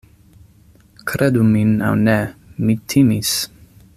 Kredu min aŭ ne, mi timis...